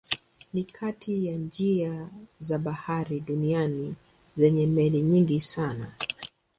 Ni kati ya njia za bahari duniani zenye meli nyingi sana.